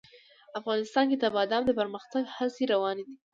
افغانستان کې د بادام د پرمختګ هڅې روانې دي.